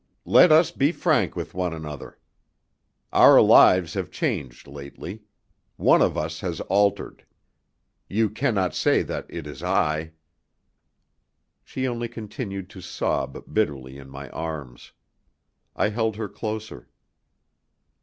Let us be frank with one another. Our lives have changed lately. One of us has altered. You cannot say that it is I." She only continued to sob bitterly in my arms. I held her closer.